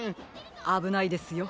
あぶないですよ。